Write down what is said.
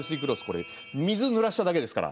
これ水で濡らしただけですから。